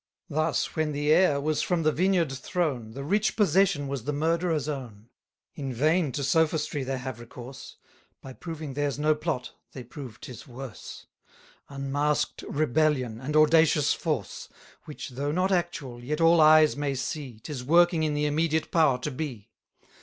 Thus when the heir was from the vineyard thrown, The rich possession was the murderer's own. In vain to sophistry they have recourse: By proving theirs no plot, they prove 'tis worse 220 Unmask'd rebellion, and audacious force: Which, though not actual, yet all eyes may see 'Tis working in the immediate power to be.